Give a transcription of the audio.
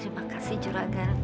terima kasih juragan